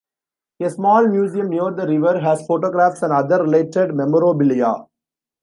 A small museum near the river has photographs and other related memorabilia.